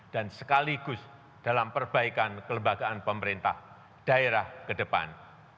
dan sekaligus dalam perbaikan kelembagaan pemerintah daerah ke depan